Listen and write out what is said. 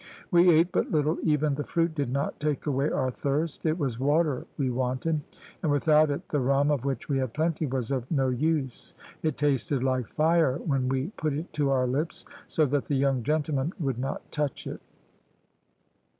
We ate but little, even the fruit did not take away our thirst. It was water we wanted, and without it the rum, of which we had plenty, was of no use. It tasted like fire when we put it to our lips, so the young gentlemen would not touch it.